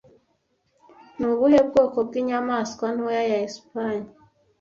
Ni ubuhe bwoko bw'inyamaswa Ntoya ya Espanye